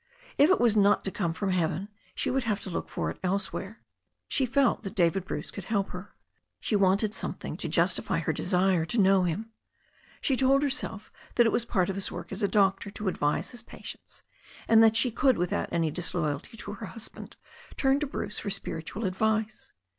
If It was not to come from heaven, she would have to look for it elsewhere. She felt that David Bruce could help her. She wanted something to justify her desire to know him. She told herself that it was part of his work as a doctor to advise his patients, and that she could without any dis^ loyalty to her husband turn to Bruce for spiritual advice.